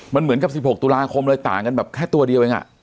มันเหมือนกับ๑๖ตุลาคมเลยต่างกันแบบแค่ตัวเดียวเอง